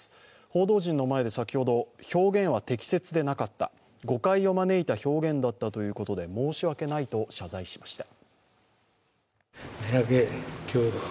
報道陣の前で先ほど、表現は適切でなかった誤解を招いた表現だったということで申し訳ないと謝罪しました。